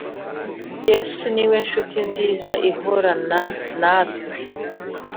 Yesu niwe nshuti nziza izahorana natwe.